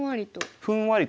ふんわりと。